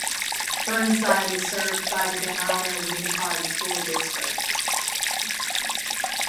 Burnside is served by the Ganado Unified School District.